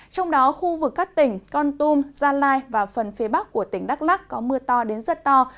trong đó khu vực các tỉnh con tum gia lai và phần phía bắc của tỉnh đắk lắc có mưa to đến rất to